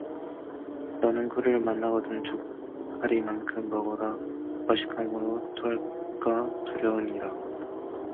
너는 꿀을 만나거든 족하리만큼 먹으라 과식하므로 토할까 두려우니라